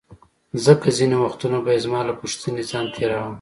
ځکه ځیني وختونه به یې زما له پوښتنې ځان تیراوه.